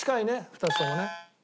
２つともね。